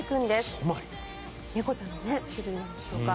猫ちゃんの種類でしょうか。